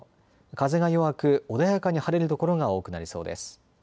風が弱く穏やかに晴れる所が多くなりそうです。